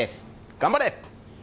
頑張れ！